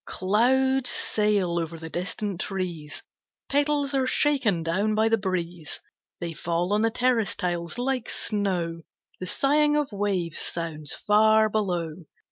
Clouds sail over the distant trees, Petals are shaken down by the breeze, They fall on the terrace tiles like snow; The sighing of waves sounds, far below.